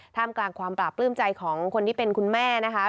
ท่ามกลางความปราบปลื้มใจของคนที่เป็นคุณแม่นะคะ